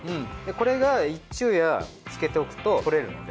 これが一昼夜漬けておくと取れるので。